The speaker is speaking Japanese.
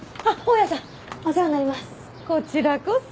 こちらこそ。